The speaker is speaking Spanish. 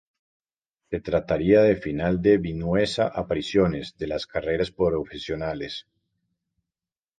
Se trataría de final de Vinuesa apariciones de las carreras profesionales.